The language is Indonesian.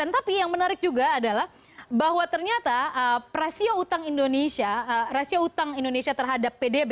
tapi yang menarik juga adalah bahwa ternyata rasio utang indonesia terhadap pdb